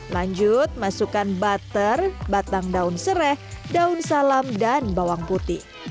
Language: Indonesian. lanjut masukkan butter batang daun serai daun salam dan bawang putih